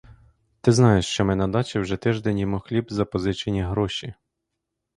Ти знаєш, що ми на дачі вже тиждень їмо хліб за позичені гроші!